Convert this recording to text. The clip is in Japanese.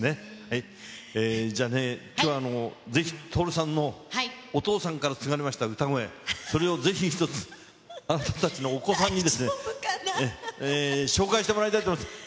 じゃあねえ、きょうは、ぜひ徹さんのお父さんから継がれました歌声、それをぜひ一つ、あなたたちのお子さんに紹介してもらいたいと思います。